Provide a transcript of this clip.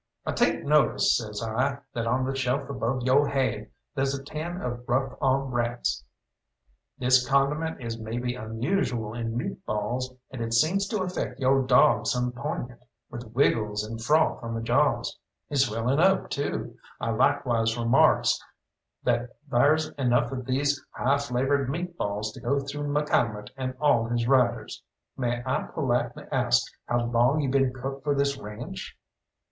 "I take notice," says I, "that on the shelf above yo' haid there's a tin of rough on rats. This condiment is maybe unusual in meat balls, and it seems to affect yo' dawg some poignant, with wiggles and froth on the jaws. He's swelling up, too. I likewise remarks that thar's enough of these high flavored meat balls to go through McCalmont and all his riders. May I politely ask how long you been cook for this ranche?"